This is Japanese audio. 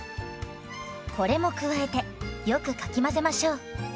これも加えてよくかき混ぜましょう。